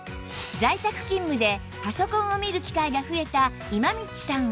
在宅勤務でパソコンを見る機会が増えた今道さんは